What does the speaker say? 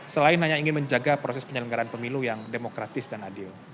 selain hanya ingin menjaga proses penyelenggaraan pemilu yang demokratis dan adil